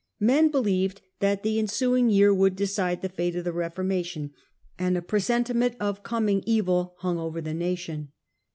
Men believed that the ensuing year would decide the fate of the Befo'rmation, and a presentiment of coming evil hung over the nation.